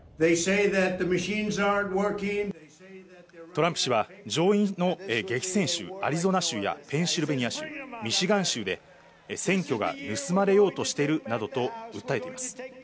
トランプ氏は上院の激戦州、アリゾナ州やペンシルベニア州、ミシガン州で選挙が盗まれようとしているなどと訴えています。